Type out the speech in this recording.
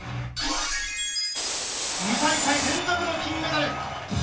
２大会連続の金メダル。